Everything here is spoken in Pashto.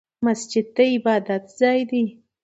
مسجد د عبادت ځای دی